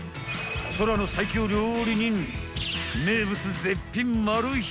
空の最強料理人名物絶品マル秘